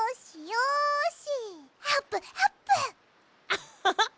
アッハハ！